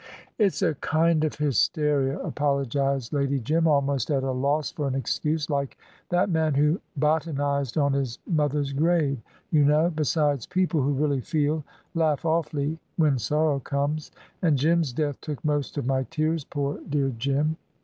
"It's a kind of hysteria," apologised Lady Jim, almost at a loss for an excuse, "like that man who botanised on his mother's grave, you know. Besides, people who really feel, laugh awfully when sorrow comes. And Jim's death took most of my tears poor dear Jim!